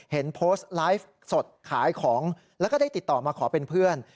เห็นโพสต์ไลฟ์สดขายของแล้วก็ได้ติดต่อมาขอเป็นเพื่อน